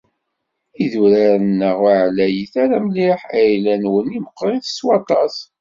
Idurar-nneɣ ur εlayit ara mliḥ. Ayla-nwen i meqqrit s waṭas.